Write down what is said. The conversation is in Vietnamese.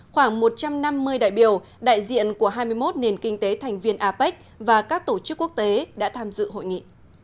khoảng một trăm năm mươi đại biểu đại diện của hai mươi một nền kinh tế thành viên apec và các tổ chức quốc tế đã tham dự hội nghị